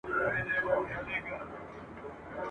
د اوږدې او لاعلاجه ناروغۍ له امله، وفات سوی دی !.